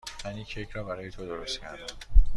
من این کیک را برای تو درست کردم.